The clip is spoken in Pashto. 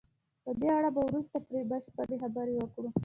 په دې اړه به وروسته پرې بشپړې خبرې وکړو.